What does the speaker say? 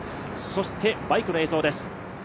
そしてバイクの映像です。